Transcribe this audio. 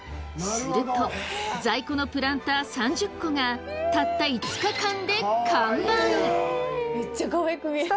すると在庫のプランター３０個がたった５日間で完売。